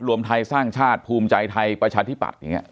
รวมไทยสร้างชาติภูมิใจไทยประชาธิปัตย์อย่างนี้